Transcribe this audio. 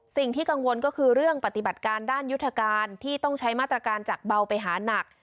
สิ่งที่กังวลก็คือเรื่องปฏิบัติการด้านยุทธการที่ต้องใช้มาตรการจากเบาไปหานัก